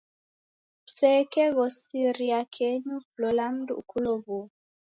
Kusekeghosiria kenyu lola mundu ukulow'uo